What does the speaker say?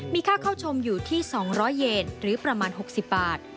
มีค่าเข้าชมอยู่ที่๒๐๐เยนหรือประมาณ๖๐บาท